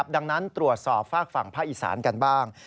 ดังนั้นตรวจสอบฝากฝั่งภาคอีสานกันบ้าง